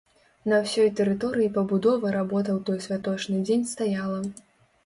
На ўсёй тэрыторыі пабудовы работа ў той святочны дзень стаяла.